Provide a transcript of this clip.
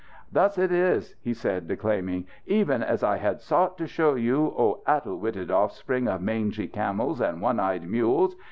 "Thus it is!" he was declaiming. "Even as I have sought to show you, oh, addle witted offspring of mangy camels and one eyed mules!